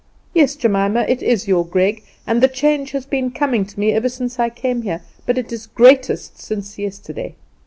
"Yes, Jemima, it is your Greg, and the change has been coming over me ever since I came here; but it is greatest since yesterday.